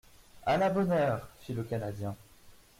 —A la bonne heure ! fit le Canadien.